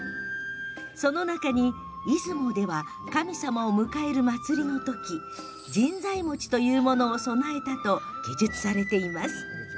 その中に、出雲では神様を迎える祭りのとき神在餅というものを供えたと記述されています。